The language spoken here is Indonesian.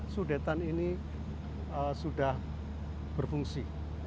sudetan ini sudah berfungsi